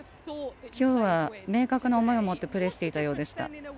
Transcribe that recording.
今日は明確な思いを持ってプレーしていたようでした。